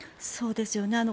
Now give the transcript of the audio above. そうですよね。